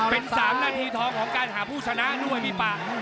เป็นสามหน้าทีท้องของการหาผู้ชนะน้วยมิปะ